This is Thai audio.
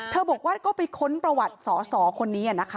บอกว่าก็ไปค้นประวัติสอสอคนนี้นะคะ